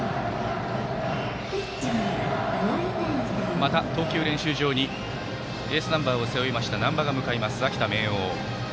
また投球練習場にエースナンバーを背負った難波が向かいます、秋田・明桜。